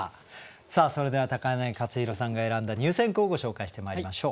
さあそれでは柳克弘さんが選んだ入選句をご紹介してまいりましょう。